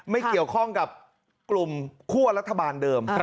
ไม่เกี่ยวข้องกับกลุ่มคั่วรัฐบาลเดิม